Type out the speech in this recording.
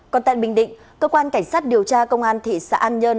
còn tại bình định cơ quan cảnh sát điều tra công an thị xã an nhơn